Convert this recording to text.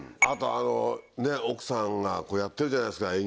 あとあの奥さんがこうやってるじゃないですか。